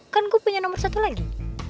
kan gue punya nomor satu lagi